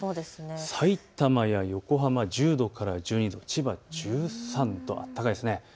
さいたまや横浜１０度から１２度、千葉１３度、暖かいですね。